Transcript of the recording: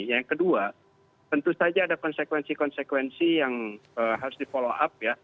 yang kedua tentu saja ada konsekuensi konsekuensi yang harus di follow up ya